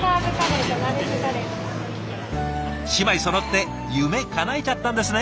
姉妹そろって夢かなえちゃったんですね。